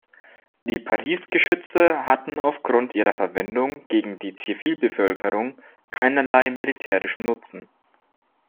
Die Paris-Geschütze hatten aufgrund ihrer Verwendung gegen die Zivilbevölkerung keinerlei militärischen Nutzen.